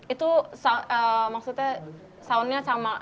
itu maksudnya soundnya sama